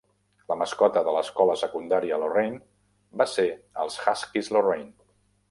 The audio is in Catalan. La mascota de l'escola secundària Lorraine va ser els huskies Lorraine.